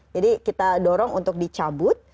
jadi kita dorong untuk dicabut